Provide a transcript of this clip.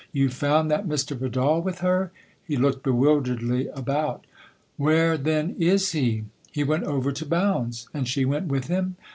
You found that Mr. Vidal with her ?" He looked bewilderedly about. " Where then is he ?"" He went over to Bounds." " And she went with him